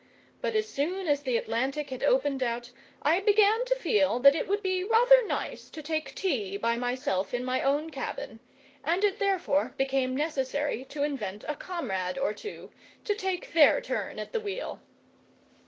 But as soon as the Atlantic had opened out I began to feel that it would be rather nice to take tea by myself in my own cabin, and it therefore became necessary to invent a comrade or two, to take their turn at the wheel.